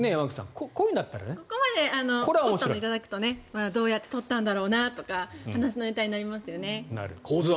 ここまでのだとどうやって撮ったんだろうとか話のネタになりますよね。